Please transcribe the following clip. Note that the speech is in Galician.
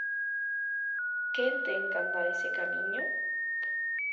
Quen ten que andar ese camiño?